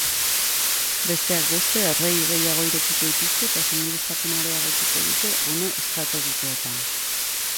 Besteak beste, errei gehiago irekiko dituzte eta seinaleztapena areagotuko dute gune estrategikoetan.